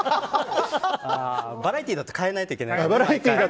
バラエティーだと変えないといけないから。